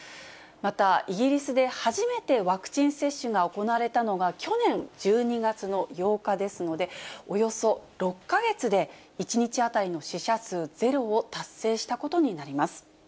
また、イギリスで初めて、ワクチン接種が行われたのが去年１２月の８日ですので、およそ６か月で１日当たりの死者数ゼロを達成したことになります。